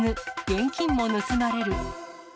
現金も盗まれる。